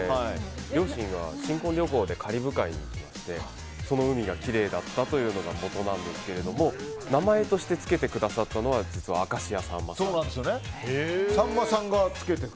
両親が新婚旅行でカリブ海に行ってその海がきれいだったというのがもとなんですけども名前として付けてくださったのは実は、明石家さんまさん。